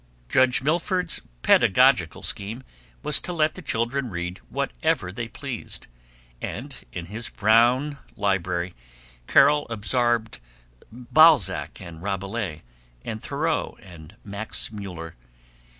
Judge Milford's pedagogical scheme was to let the children read whatever they pleased, and in his brown library Carol absorbed Balzac and Rabelais and Thoreau and Max Muller.